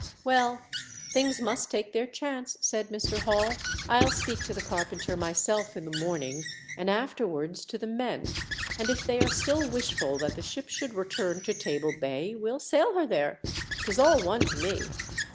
" Well, things must take their chance," said Mr, Hall. " I'll speak to the carpenter myself in the morning, and afterwards to the men ; and if they are still wishful that the ship should return to Table Bay we'll sail her there. 'Tis all one to me.